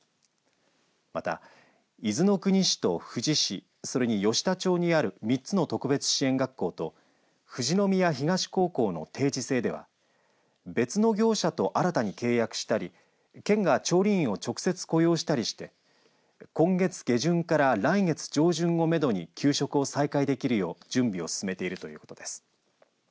また、伊豆の国市と富士市それに吉田町にある３つの特別支援学校と富士宮東高校の定時制では別の業者と新たに契約したり県が調理員を直接雇用したりして今月下旬から来月上旬をめどに給食を再開できるよう準備を進めているということです。